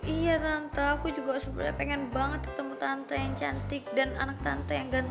iya tante aku juga sebenarnya pengen banget ketemu tante yang cantik dan anak tante yang ganteng